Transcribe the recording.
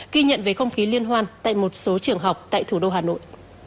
ghi nhận về không khí liên hoan tại một số trường học tại thủ đô hà nội